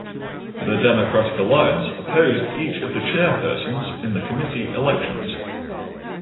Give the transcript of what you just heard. The Democratic Alliance opposed each of the chairpersons in the committee elections.